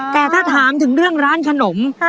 แต่ถ้าถามถึงเรื่องร้านขนม